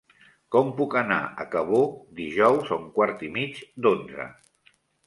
Com puc anar a Cabó dijous a un quart i mig d'onze?